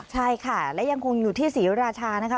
ใช่ค่ะและยังคงอยู่ที่ศรีราชานะคะ